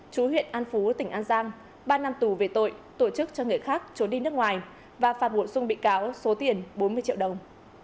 chú huyện an phú tỉnh an giang ba năm tù về tội tổ chức cho người khác trốn đi nước ngoài và phạt bổ sung bị cáo số tiền bốn mươi triệu đồng